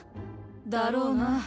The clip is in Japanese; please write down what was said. だろうな。